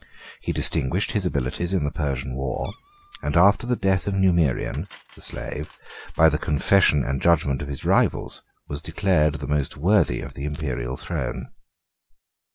He distinguished his abilities in the Persian war; and after the death of Numerian, the slave, by the confession and judgment of his rivals, was declared the most worthy of the Imperial throne.